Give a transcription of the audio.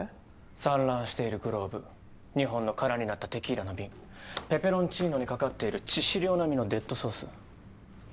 散乱しているグローブ２本の空になったテキーラの瓶ペペロンチーノにかかっている致死量並みのデッドソース。